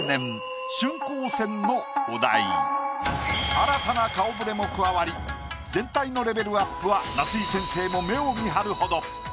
新たな顔触れも加わり全体のレベルアップは夏井先生も目を見張るほど。